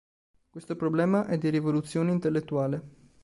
Questo problema è di rivoluzione intellettuale.